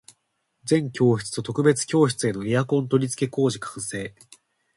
全教室と特別教室へのエアコン取り付け工事完成